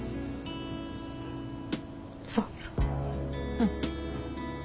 うん。